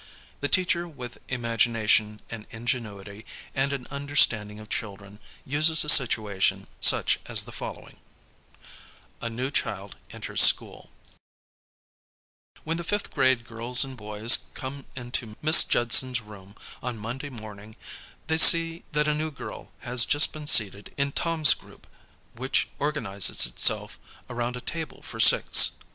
The teacher with imagination and ingenuity, and an understanding of children, uses a situation such as the following: 1 2 HOW CHILDREN LEARN ABOUT HUMAN RIGHTS A NEW CHILD ENTERS SCHOOL When the fifth grade girls and boys come into Miss Judson's room on Monday morning, the\ see that a new girl has just been seated in Turn's group which organizes itself around a table for six.